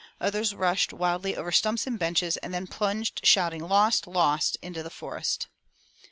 Others rushed wildly over the stumps and benches, and then plunged, shouting 'Lost! Lost!' into the forest."